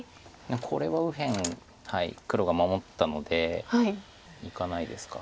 これは右辺黒が守ったのでいかないですか？